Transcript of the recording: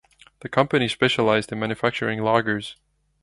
The company specialized in manufacturing lagers.